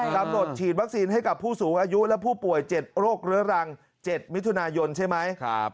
กำหนดฉีดวัคซีนให้กับผู้สูงอายุและผู้ป่วย๗โรคเรื้อรัง๗มิถุนายนใช่ไหม